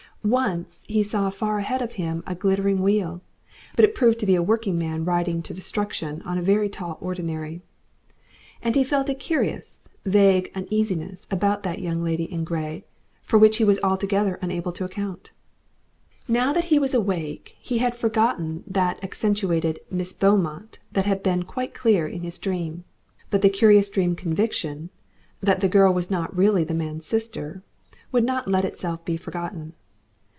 Once he saw far ahead of him a glittering wheel, but it proved to be a workingman riding to destruction on a very tall ordinary. And he felt a curious, vague uneasiness about that Young Lady in Grey, for which he was altogether unable to account. Now that he was awake he had forgotten that accentuated Miss Beaumont that had been quite clear in his dream. But the curious dream conviction, that the girl was not really the man's sister, would not let itself be forgotten.